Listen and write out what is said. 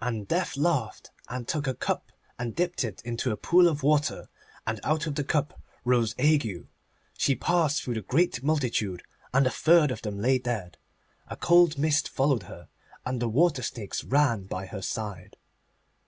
And Death laughed, and took a cup, and dipped it into a pool of water, and out of the cup rose Ague. She passed through the great multitude, and a third of them lay dead. A cold mist followed her, and the water snakes ran by her side.